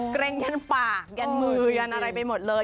เกรงยันปากยันมือยันอะไรไปหมดเลย